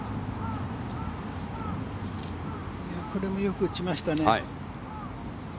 これもよく打ちましたね。